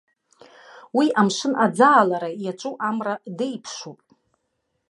Уи амшын аӡаалара иаҿу амра деиԥшуп.